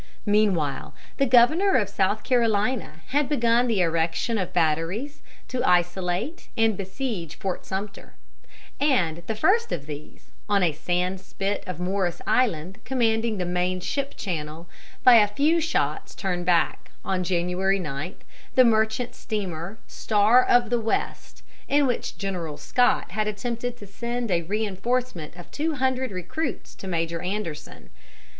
Meanwhile, the governor of South Carolina had begun the erection of batteries to isolate and besiege Fort Sumter; and the first of these, on a sand spit of Morris Island commanding the main ship channel, by a few shots turned back, on January 9, the merchant steamer Star of the West, in which General Scott had attempted to send a reinforcement of two hundred recruits to Major Anderson.